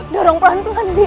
darong pelan pelan bibik